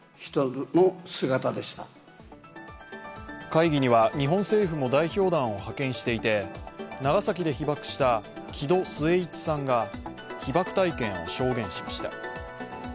会議には、日本政府も代表団を派遣していて長崎で被爆した木戸季市さんが被爆体験を証言しました。